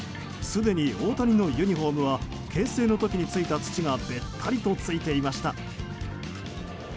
すでに大谷のユニホームは牽制の時についた土がべったりとついていました。